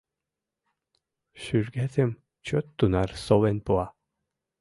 Шӱргетым чот тунар совен пуа.